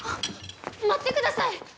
待ってください！